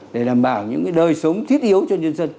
để đảm bảo những đời sống thiết yếu cho nhân dân